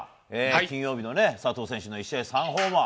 金曜日の佐藤選手の１試合３ホーマー